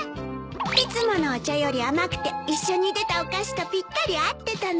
いつものお茶より甘くて一緒に出たお菓子とぴったり合ってたの。